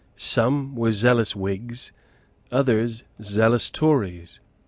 Some were zealous Whigs, others zealous Tories.